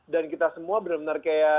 dan kita semua bener bener kayak